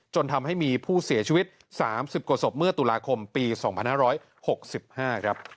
จนทำให้มีผู้เสียชีวิต๓๐กว่าศพเมื่อตุลาคมปี๒๕๖๕ครับ